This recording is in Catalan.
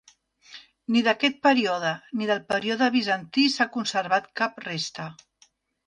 Ni d'aquest període ni del període bizantí s'ha conservat cap resta.